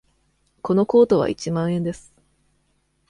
このコートは一万円です。